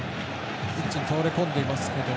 ピッチに倒れ込んでいますけど。